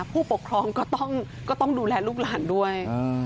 ผู้ปกครองก็ต้องดูแลลูกหลานด้วย